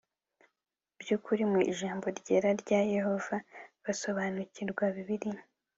by ukuri mw Ijambo Ryera rya Yehova basobanukirwa Bibiliya